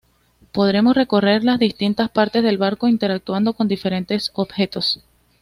Podremos recorrer las distintas partes del barco interactuando con diferentes objetos.